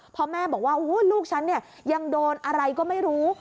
พอแม่บอกว่าลูกฉันเนี่ยยังโดนอะไรก็ไม่รู้